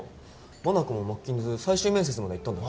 真中もマッキンズ最終面接までは行ったんだっけ？